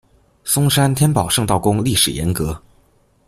松山天宝圣道宫历史沿革